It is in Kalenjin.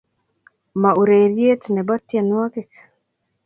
mo urerie ne bo tienwokik